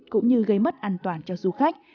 cũng như gây mất an toàn cho du khách